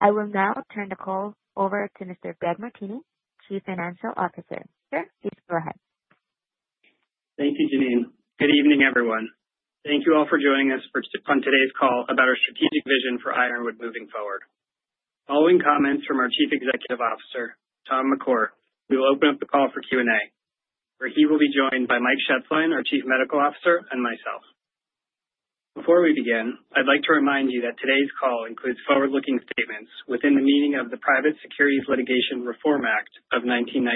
I will now turn the call over to Mr. Greg Martini, Chief Financial Officer. Sir, please go ahead. Thank you, Janine. Good evening, everyone. Thank you all for joining us on today's call about our strategic vision for Ironwood moving forward. Following comments from our Chief Executive Officer, Tom McCourt, we will open up the call for Q&A, where he will be joined by Mike Shetzline, our Chief Medical Officer, and myself. Before we begin, I'd like to remind you that today's call includes forward-looking statements within the meaning of the Private Securities Litigation Reform Act of 1995.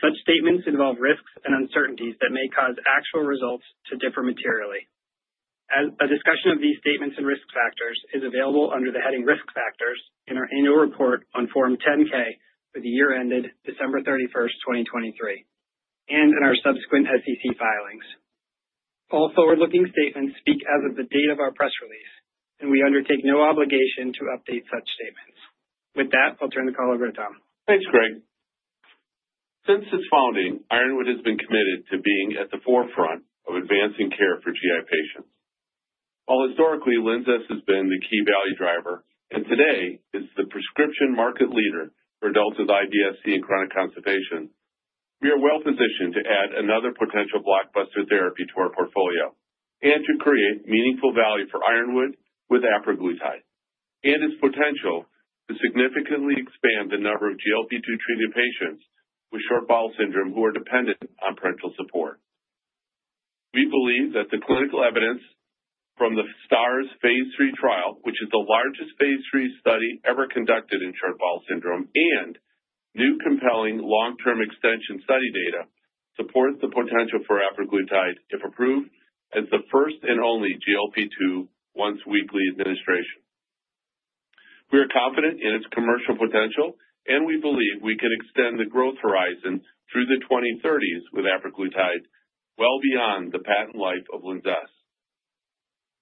Such statements involve risks and uncertainties that may cause actual results to differ materially. A discussion of these statements and risk factors is available under the heading Risk Factors in our annual report on Form 10-K, with the year ended December 31st, 2023, and in our subsequent SEC filings. All forward-looking statements speak as of the date of our press release, and we undertake no obligation to update such statements. With that, I'll turn the call over to Tom. Thanks, Greg. Since its founding, Ironwood has been committed to being at the forefront of advancing care for GI patients. While historically LINZESS has been the key value driver and today is the prescription market leader for adults with IBS-C and chronic constipation, we are well positioned to add another potential blockbuster therapy to our portfolio and to create meaningful value for Ironwood with apraglutide and its potential to significantly expand the number of GLP-2 treated patients with short bowel syndrome who are dependent on parenteral support. We believe that the clinical evidence from the STARS phase III trial, which is the largest phase III study ever conducted in short bowel syndrome, and new compelling long-term extension study data support the potential for apraglutide, if approved, as the first and only GLP-2 once-weekly administration. We are confident in its commercial potential, and we believe we can extend the growth horizon through the 2030s with apraglutide well beyond the patent life of LINZESS.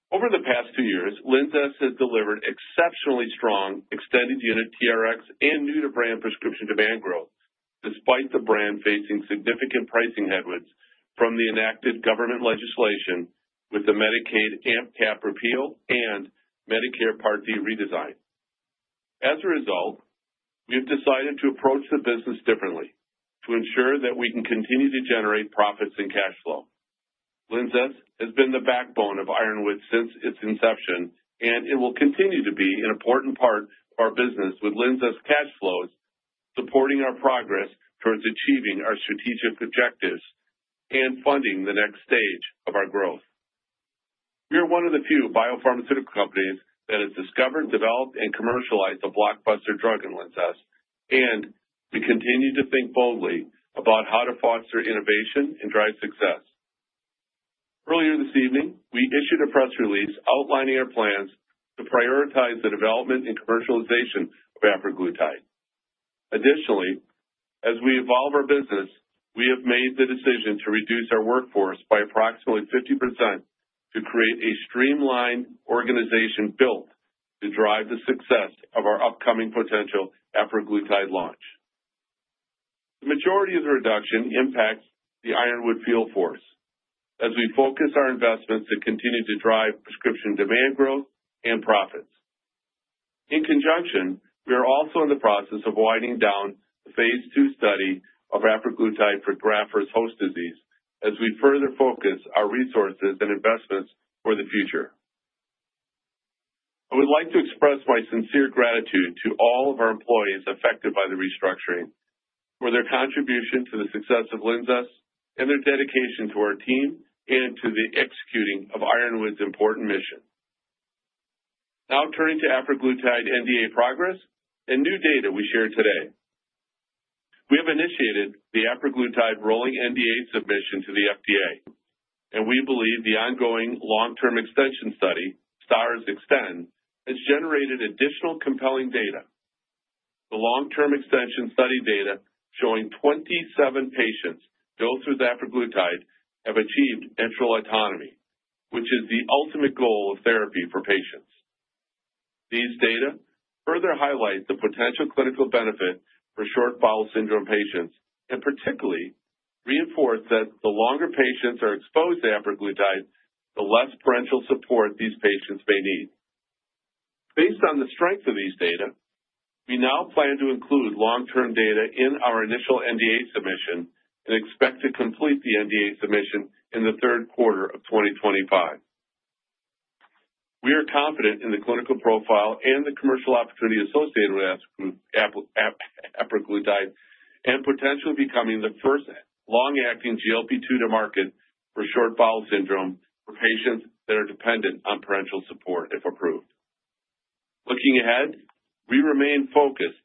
Over the past two years, LINZESS has delivered exceptionally strong extended unit TRx and new-to-brand prescription demand growth, despite the brand facing significant pricing headwinds from the enacted government legislation with the Medicaid AMP cap repeal and Medicare Part D redesign. As a result, we have decided to approach the business differently to ensure that we can continue to generate profits and cash flow. LINZESS has been the backbone of Ironwood since its inception, and it will continue to be an important part of our business, with LINZESS cash flows supporting our progress towards achieving our strategic objectives and funding the next stage of our growth. We are one of the few biopharmaceutical companies that has discovered, developed, and commercialized a blockbuster drug in LINZESS, and we continue to think boldly about how to foster innovation and drive success. Earlier this evening, we issued a press release outlining our plans to prioritize the development and commercialization of apraglutide. Additionally, as we evolve our business, we have made the decision to reduce our workforce by approximately 50% to create a streamlined organization built to drive the success of our upcoming potential apraglutide launch. The majority of the reduction impacts the Ironwood field force as we focus our investments to continue to drive prescription demand growth and profits. In conjunction, we are also in the process of winding down the phase II study of apraglutide for graft-versus-host disease as we further focus our resources and investments for the future. I would like to express my sincere gratitude to all of our employees affected by the restructuring for their contribution to the success of LINZESS and their dedication to our team and to the executing of Ironwood's important mission. Now, turning to apraglutide NDA progress and new data we shared today, we have initiated the apraglutide rolling NDA submission to the FDA, and we believe the ongoing long-term extension study, STARS Extend, has generated additional compelling data. The long-term extension study data showing 27 patients go through the apraglutide have achieved enteral autonomy, which is the ultimate goal of therapy for patients. These data further highlight the potential clinical benefit for short bowel syndrome patients and particularly reinforce that the longer patients are exposed to apraglutide, the less parenteral support these patients may need. Based on the strength of these data, we now plan to include long-term data in our initial NDA submission and expect to complete the NDA submission in the third quarter of 2025. We are confident in the clinical profile and the commercial opportunity associated with apraglutide and potentially becoming the first long-acting GLP-2 to market for short bowel syndrome for patients that are dependent on parenteral support, if approved. Looking ahead, we remain focused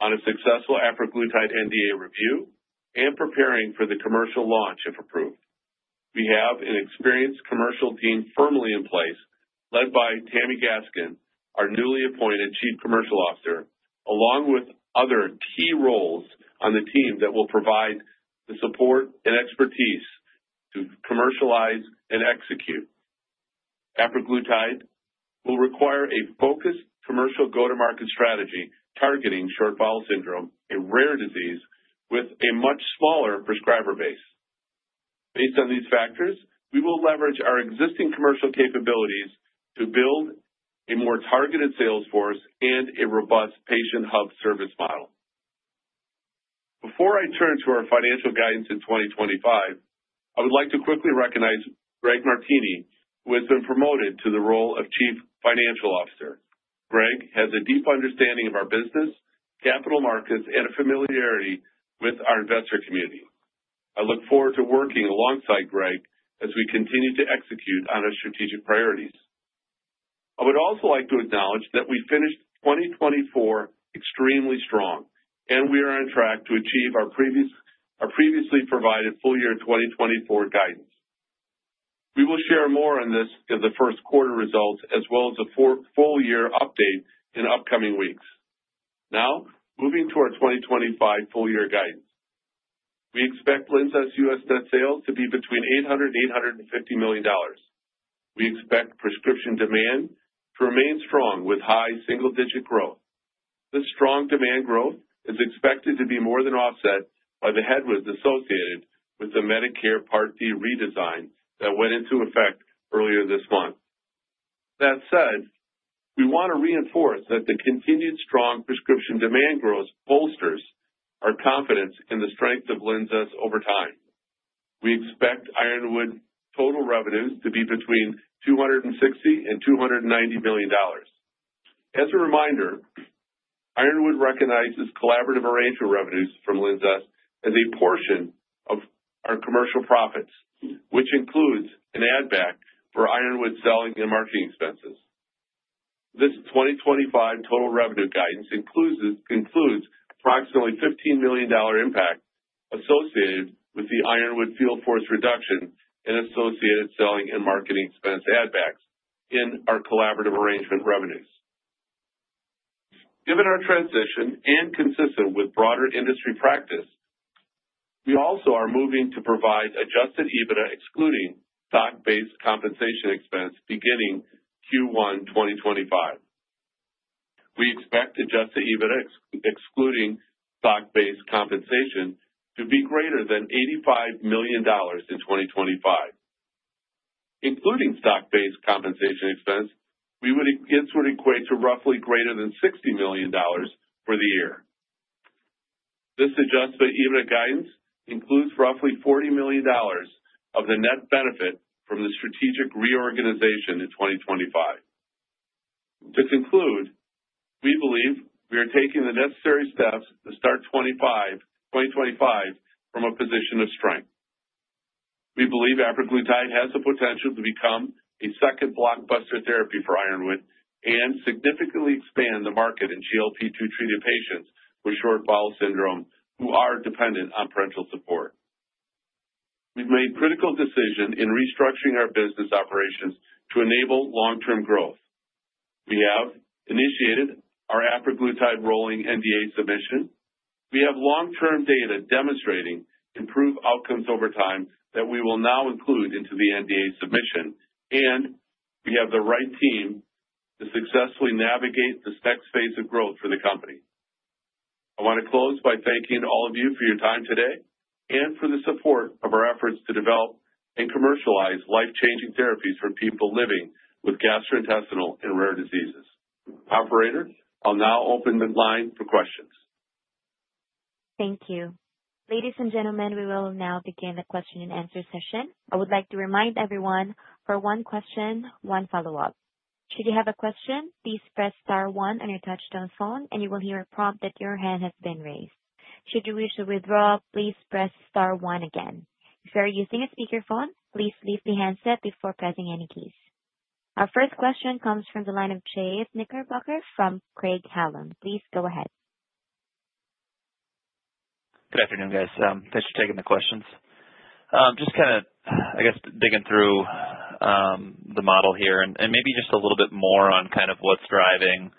on a successful apraglutide NDA review and preparing for the commercial launch, if approved. We have an experienced commercial team firmly in place, led by Tammi Gaskins, our newly appointed Chief Commercial Officer, along with other key roles on the team that will provide the support and expertise to commercialize and execute. Apraglutide will require a focused commercial go-to-market strategy targeting short bowel syndrome, a rare disease with a much smaller prescriber base. Based on these factors, we will leverage our existing commercial capabilities to build a more targeted sales force and a robust patient hub service model. Before I turn to our financial guidance in 2025, I would like to quickly recognize Greg Martini, who has been promoted to the role of Chief Financial Officer. Greg has a deep understanding of our business, capital markets, and a familiarity with our investor community. I look forward to working alongside Greg as we continue to execute on our strategic priorities. I would also like to acknowledge that we finished 2024 extremely strong, and we are on track to achieve our previously provided full year 2024 guidance. We will share more on this in the first quarter results, as well as a full year update in upcoming weeks. Now, moving to our 2025 full year guidance, we expect LINZESS U.S. net sales to be between $800-$850 million. We expect prescription demand to remain strong with high single-digit growth. This strong demand growth is expected to be more than offset by the headwinds associated with the Medicare Part D redesign that went into effect earlier this month. That said, we want to reinforce that the continued strong prescription demand growth bolsters our confidence in the strength of LINZESS over time. We expect Ironwood total revenues to be between $260-$290 million. As a reminder, Ironwood recognizes collaborative arrangement revenues from LINZESS as a portion of our commercial profits, which includes an add-back for Ironwood selling and marketing expenses. This 2025 total revenue guidance includes approximately $15 million impact associated with the Ironwood field force reduction and associated selling and marketing expense add-backs in our collaborative arrangement revenues. Given our transition and consistent with broader industry practice, we also are moving to provide adjusted EBITDA excluding stock-based compensation expense beginning Q1 2025. We expect adjusted EBITDA excluding stock-based compensation to be greater than $85 million in 2025. Including stock-based compensation expense, this would equate to roughly greater than $60 million for the year. This adjusted EBITDA guidance includes roughly $40 million of the net benefit from the strategic reorganization in 2025. To conclude, we believe we are taking the necessary steps to start 2025 from a position of strength. We believe apraglutide has the potential to become a second blockbuster therapy for Ironwood and significantly expand the market in GLP-2 treated patients with short bowel syndrome who are dependent on parenteral support. We've made critical decisions in restructuring our business operations to enable long-term growth. We have initiated our apraglutide rolling NDA submission. We have long-term data demonstrating improved outcomes over time that we will now include into the NDA submission, and we have the right team to successfully navigate the next phase of growth for the company. I want to close by thanking all of you for your time today and for the support of our efforts to develop and commercialize life-changing therapies for people living with gastrointestinal and rare diseases. Operator, I'll now open the line for questions. Thank you. Ladies and gentlemen, we will now begin the question and answer session. I would like to remind everyone for one question, one follow-up. Should you have a question, please press star one on your touch-tone phone, and you will hear a prompt that your hand has been raised. Should you wish to withdraw, please press star one again. If you are using a speakerphone, please leave the handset before pressing any keys. Our first question comes from the line of Chase Knickerbocker from Craig-Hallum. Please go ahead. Good afternoon, guys. Thanks for taking the questions. Just kind of, I guess, digging through the model here and maybe just a little bit more on kind of what's driving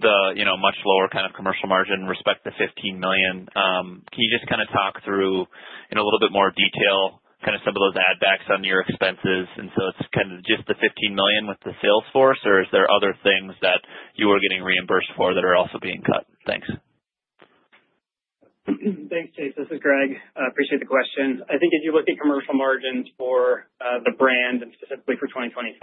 the much lower kind of commercial margin respect to $15 million. Can you just kind of talk through in a little bit more detail kind of some of those add-backs on your expenses? And so it's kind of just the $15 million with the sales force, or is there other things that you are getting reimbursed for that are also being cut? Thanks. Thanks, Chase. This is Greg. Appreciate the question. I think if you look at commercial margins for the brand and specifically for 2025,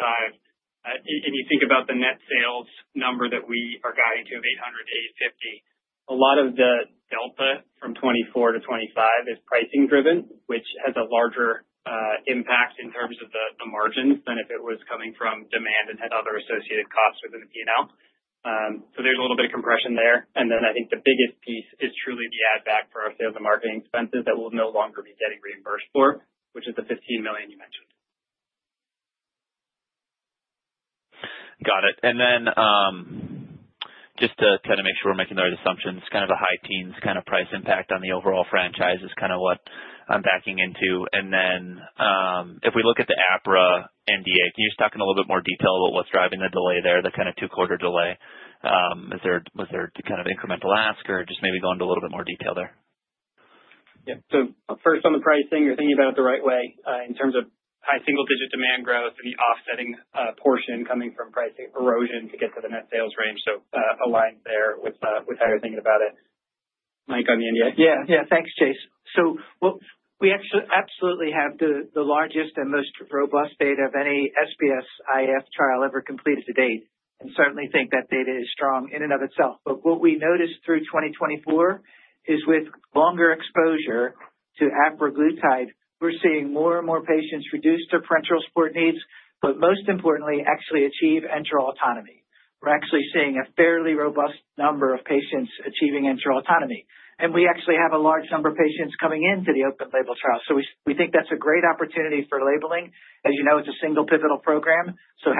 if you think about the net sales number that we are guiding to of $800-$850, a lot of the delta from 2024 to 2025 is pricing-driven, which has a larger impact in terms of the margins than if it was coming from demand and had other associated costs within the P&L. So there's a little bit of compression there. And then I think the biggest piece is truly the add-back for our sales and marketing expenses that we'll no longer be getting reimbursed for, which is the $15 million you mentioned. Got it. And then just to kind of make sure we're making the right assumptions, kind of the high teens kind of price impact on the overall franchise is kind of what I'm backing into. And then if we look at the apra NDA, can you just talk in a little bit more detail about what's driving the delay there, the kind of two-quarter delay? Was there kind of incremental ask or just maybe go into a little bit more detail there? Yeah. So first, on the pricing, you're thinking about it the right way in terms of high single-digit demand growth and the offsetting portion coming from pricing erosion to get to the net sales range. So, aligned there with how you're thinking about it. Mike, on the NDA. Yeah. Yeah. Thanks, Chase. So we actually absolutely have the largest and most robust data of any SBS-IF trial ever completed to date, and certainly think that data is strong in and of itself. But what we noticed through 2024 is with longer exposure to apraglutide, we're seeing more and more patients reduce their parenteral support needs, but most importantly, actually achieve enteral autonomy. We're actually seeing a fairly robust number of patients achieving enteral autonomy. And we actually have a large number of patients coming into the open label trial. So we think that's a great opportunity for labeling. As you know, it's a single pivotal program. So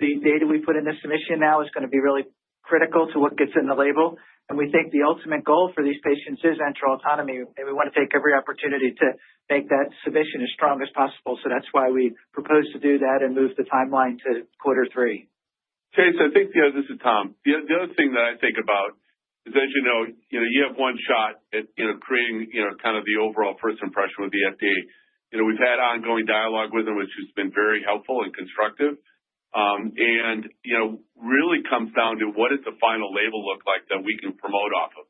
the data we put in this submission now is going to be really critical to what gets in the label. And we think the ultimate goal for these patients is enteral autonomy. And we want to take every opportunity to make that submission as strong as possible. So that's why we proposed to do that and move the timeline to quarter three. Chase, I think the other, this is Tom. The other thing that I think about is, as you know, you have one shot at creating kind of the overall first impression with the FDA. We've had ongoing dialogue with them, which has been very helpful and constructive, and it really comes down to what does the final label look like that we can promote off of,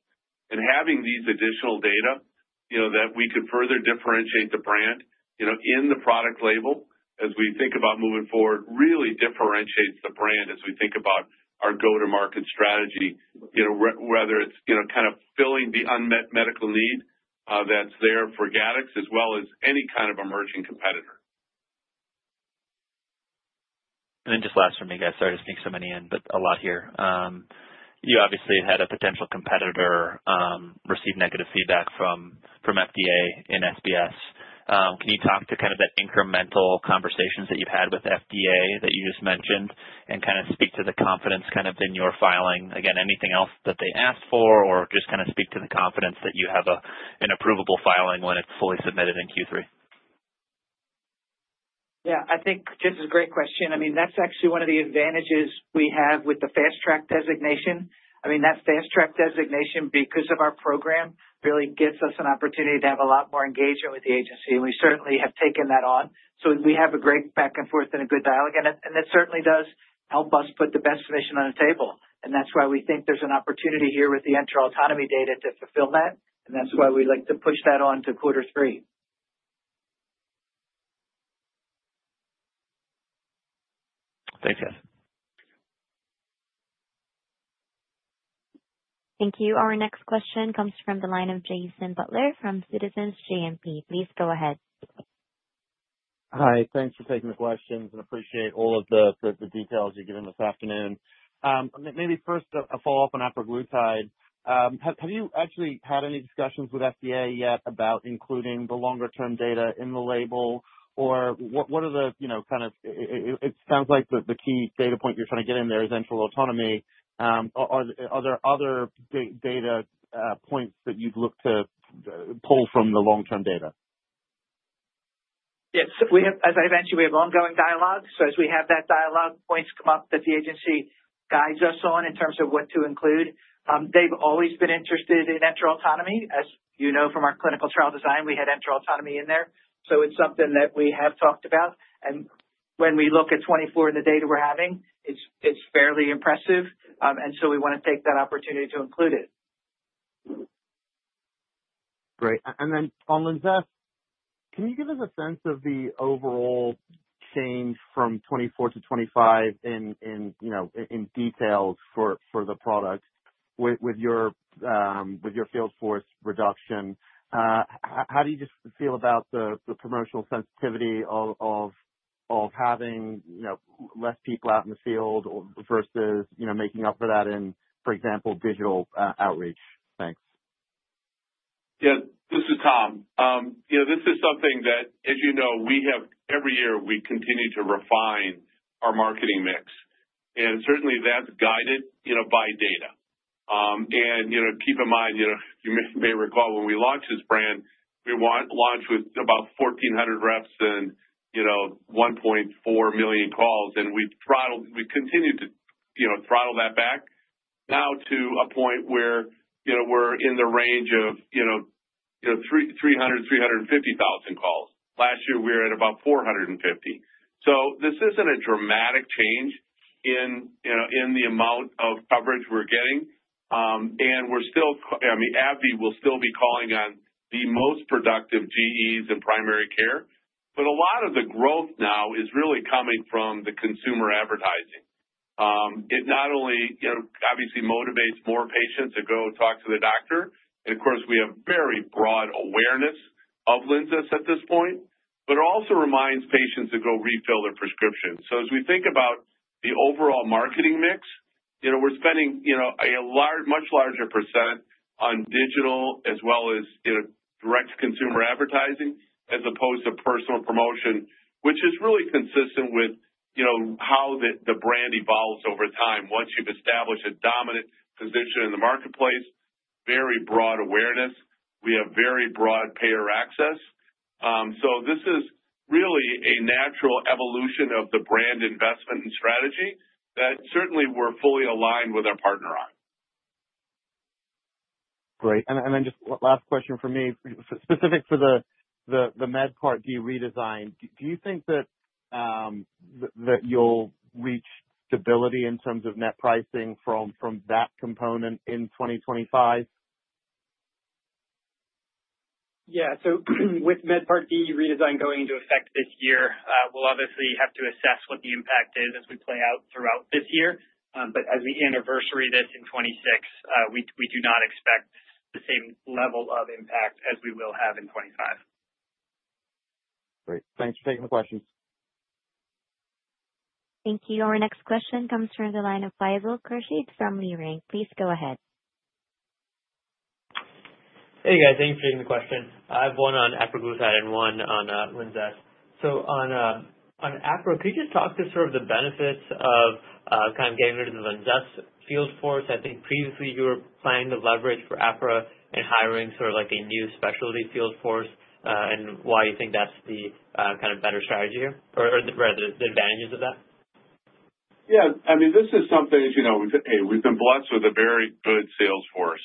and having these additional data that we could further differentiate the brand in the product label as we think about moving forward really differentiates the brand as we think about our go-to-market strategy, whether it's kind of filling the unmet medical need that's there for GATTEX, as well as any kind of emerging competitor. And then just last for me, guys. Sorry to sneak so many in, but a lot here. You obviously had a potential competitor receive negative feedback from FDA and SBS. Can you talk to kind of the incremental conversations that you've had with FDA that you just mentioned and kind of speak to the confidence kind of in your filing? Again, anything else that they asked for or just kind of speak to the confidence that you have an approvable filing when it's fully submitted in Q3? Yeah. I think this is a great question. I mean, that's actually one of the advantages we have with the fast-track designation. I mean, that fast-track designation, because of our program, really gives us an opportunity to have a lot more engagement with the agency. And we certainly have taken that on. So we have a great back and forth and a good dialogue. And it certainly does help us put the best submission on the table. And that's why we think there's an opportunity here with the enteral autonomy data to fulfill that. And that's why we'd like to push that on to quarter three. Thanks, guys. Thank you. Our next question comes from the line of Jason Butler from Citizens JMP. Please go ahead. Hi. Thanks for taking the questions and appreciate all of the details you're giving this afternoon. Maybe first, a follow-up on apraglutide. Have you actually had any discussions with FDA yet about including the longer-term data in the label? Or what are the kind of, it sounds like the key data point you're trying to get in there is enteral autonomy. Are there other data points that you'd look to pull from the long-term data? Yes. As I mentioned, we have ongoing dialogue, so as we have that dialogue points come up that the agency guides us on in terms of what to include, they've always been interested in enteral autonomy, as you know, from our clinical trial design, we had enteral autonomy in there, so it's something that we have talked about, and when we look at 2024 and the data we're having, it's fairly impressive, and so we want to take that opportunity to include it. Great. And then on LINZESS, can you give us a sense of the overall change from 2024 to 2025 in details for the product with your field force reduction? How do you just feel about the promotional sensitivity of having less people out in the field versus making up for that in, for example, digital outreach? Thanks. Yeah. This is Tom. This is something that, as you know, every year we continue to refine our marketing mix. And certainly, that's guided by data. And keep in mind, you may recall when we launched this brand, we launched with about 1,400 reps and 1.4 million calls. And we continued to throttle that back now to a point where we're in the range of 300,000-350,000 calls. Last year, we were at about 450,000. So this isn't a dramatic change in the amount of coverage we're getting. And we're still. I mean, AbbVie will still be calling on the most productive GEs in primary care. But a lot of the growth now is really coming from the consumer advertising. It not only obviously motivates more patients to go talk to the doctor. And of course, we have very broad awareness of LINZESS at this point, but it also reminds patients to go refill their prescriptions. So as we think about the overall marketing mix, we're spending a much larger percent on digital as well as direct-to-consumer advertising as opposed to personal promotion, which is really consistent with how the brand evolves over time. Once you've established a dominant position in the marketplace, very broad awareness. We have very broad payer access. So this is really a natural evolution of the brand investment and strategy that certainly we're fully aligned with our partner on. Great. And then just last question for me, specific for the Medicare Part D redesign. Do you think that you'll reach stability in terms of net pricing from that component in 2025? So with the Medicare Part D redesign going into effect this year, we'll obviously have to assess what the impact is as we play out throughout this year, but as we anniversary this in 2026, we do not expect the same level of impact as we will have in 2025. Great. Thanks for taking the questions. Thank you. Our next question comes from the line of Faisal Khurshid from Leerink. Please go ahead. Hey, guys. Thanks for taking the question. I have one on apraglutide and one on LINZESS. So on apra, could you just talk to sort of the benefits of kind of getting rid of the LINZESS field force? I think previously you were planning to leverage for apra and hiring sort of like a new specialty field force and why you think that's the kind of better strategy here or rather the advantages of that? Yeah. I mean, this is something as you know, we've been blessed with a very good sales force.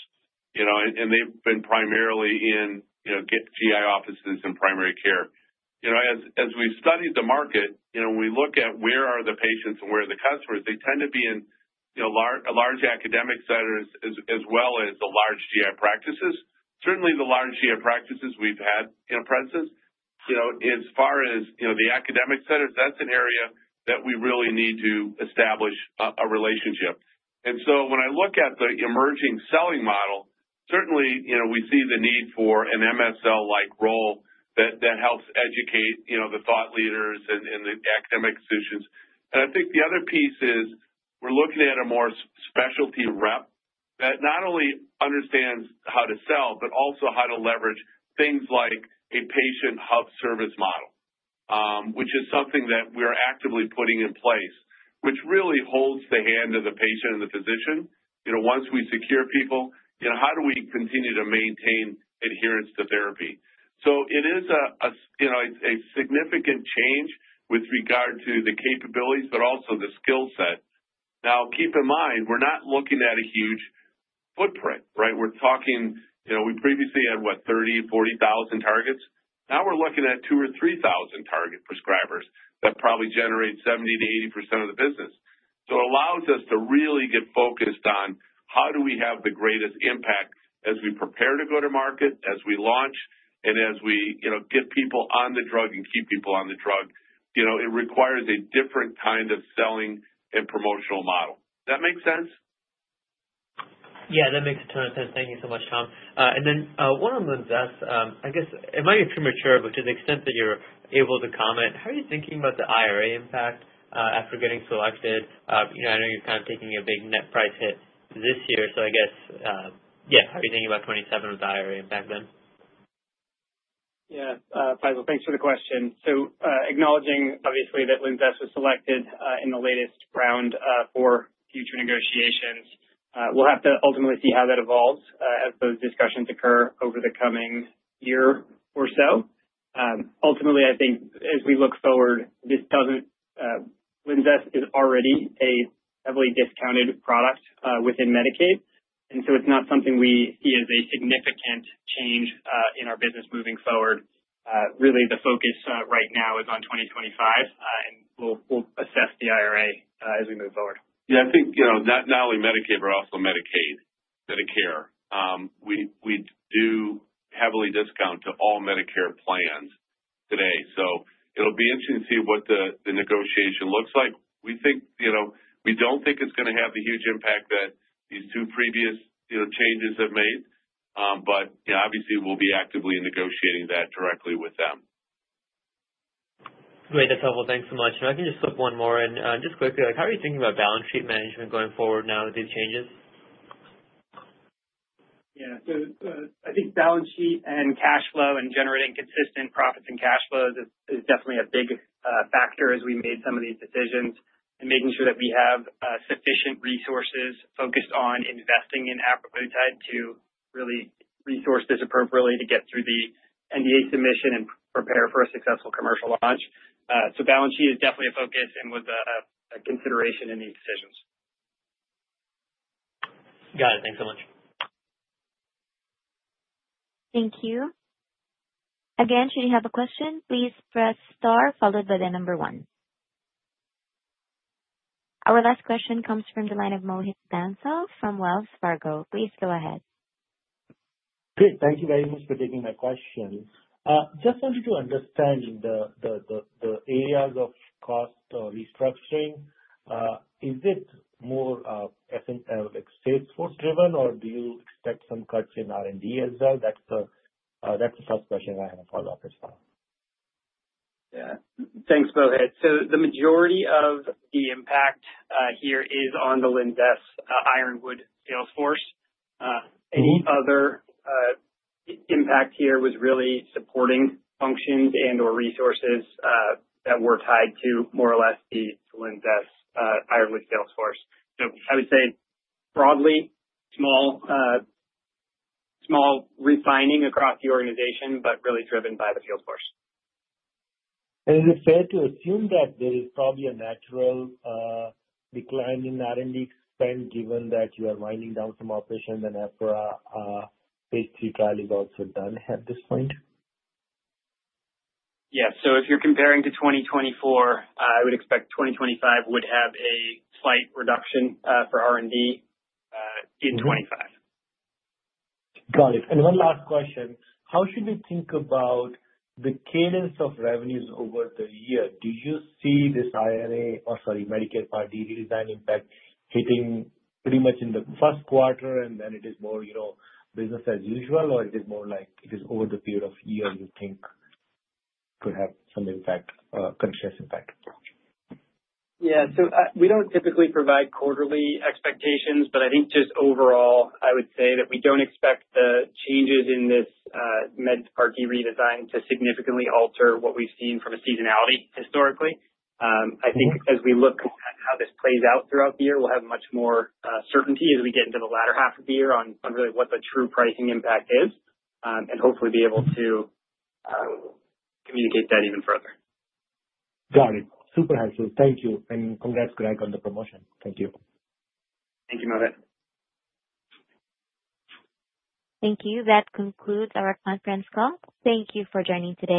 And they've been primarily in GI offices and primary care. As we've studied the market, when we look at where are the patients and where are the customers, they tend to be in large academic centers as well as the large GI practices. Certainly, the large GI practices we've had in our presence, as far as the academic centers, that's an area that we really need to establish a relationship. And so when I look at the emerging selling model, certainly, we see the need for an MSL-like role that helps educate the thought leaders and the academic decisions. And I think the other piece is we're looking at a more specialty rep that not only understands how to sell, but also how to leverage things like a patient hub service model, which is something that we're actively putting in place, which really holds the hand of the patient and the physician. Once we secure people, how do we continue to maintain adherence to therapy? So it is a significant change with regard to the capabilities, but also the skill set. Now, keep in mind, we're not looking at a huge footprint, right? We're talking we previously had, what, 30,000, 40,000 targets. Now we're looking at 2,000 or 3,000 target prescribers that probably generate 70%-80% of the business. So it allows us to really get focused on how do we have the greatest impact as we prepare to go to market, as we launch, and as we get people on the drug and keep people on the drug. It requires a different kind of selling and promotional model. Does that make sense? Yeah. That makes a ton of sense. Thank you so much, Tom. And then one on LINZESS, I guess it might be premature, but to the extent that you're able to comment, how are you thinking about the IRA impact after getting selected? I know you're kind of taking a big net price hit this year. So I guess, yeah, how are you thinking about 2027 with the IRA impact then? Yeah. Faisal, thanks for the question. So acknowledging, obviously, that LINZESS was selected in the latest round for future negotiations. We'll have to ultimately see how that evolves as those discussions occur over the coming year or so. Ultimately, I think as we look forward, LINZESS is already a heavily discounted product within Medicaid. And so it's not something we see as a significant change in our business moving forward. Really, the focus right now is on 2025, and we'll assess the IRA as we move forward. Yeah. I think not only Medicaid, but also Medicare. We do heavily discount to all Medicare plans today. So it'll be interesting to see what the negotiation looks like. We don't think it's going to have the huge impact that these two previous changes have made. But obviously, we'll be actively negotiating that directly with them. Great. That's helpful. Thanks so much. And I can just flip one more and just quickly, how are you thinking about balance sheet management going forward now with these changes? Yeah. So I think balance sheet and cash flow and generating consistent profits and cash flows is definitely a big factor as we made some of these decisions and making sure that we have sufficient resources focused on investing in apraglutide to really resource this appropriately to get through the NDA submission and prepare for a successful commercial launch. So balance sheet is definitely a focus and was a consideration in these decisions. Got it. Thanks so much. Thank you. Again, should you have a question, please press star followed by the number one. Our last question comes from the line of Mohit Bansal from Wells Fargo. Please go ahead. Great. Thank you very much for taking my question. Just wanted to understand the areas of cost restructuring. Is it more sales force-driven, or do you expect some cuts in R&D as well? That's the first question I have a follow-up as well. Yeah. Thanks, Mohit. So the majority of the impact here is on the LINZESS Ironwood sales force. Any other impact here was really supporting functions and/or resources that were tied to more or less the LINZESS Ironwood sales force. So I would say broadly, small refining across the organization, but really driven by the field force. Is it fair to assume that there is probably a natural decline in R&D spend given that you are winding down some operations and apraglutide phase III trial is also done at this point? Yeah, so if you're comparing to 2024, I would expect 2025 would have a slight reduction for R&D in 2025. Got it. And one last question. How should we think about the cadence of revenues over the year? Do you see this IRA or, sorry, Medicare Part D redesign impact hitting pretty much in the first quarter, and then it is more business as usual, or it is more like it is over the period of year you think could have some impact, a continuous impact? Yeah. So we don't typically provide quarterly expectations, but I think just overall, I would say that we don't expect the changes in this Medicare Part D redesign to significantly alter what we've seen from a seasonality historically. I think as we look at how this plays out throughout the year, we'll have much more certainty as we get into the latter half of the year on really what the true pricing impact is and hopefully be able to communicate that even further. Got it. Super helpful. Thank you. And congrats, Greg, on the promotion. Thank you. Thank you, Mohit. Thank you. That concludes our conference call. Thank you for joining today.